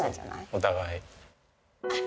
お互い。